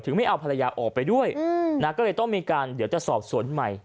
ไม่เอาภรรยาออกไปด้วยนะก็เลยต้องมีการเดี๋ยวจะสอบสวนใหม่